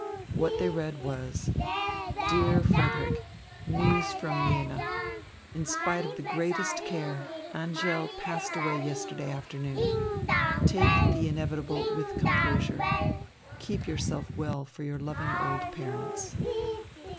What they read was: Dear Frederick, news from Jena. In spite of the greatest care Angèle passed away yesterday afternoon. Take the inevitable with composure. Keep yourself well for your loving old parents.